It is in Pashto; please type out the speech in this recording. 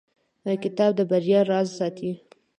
کتاب د بریا راز ساتي.